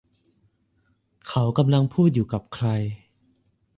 เขากำลังพูดอยู่กับใคร